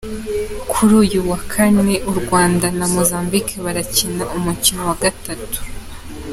Kuri uyu wa Kane u Rwanda na Mozambique barakina umukino wa gatatu.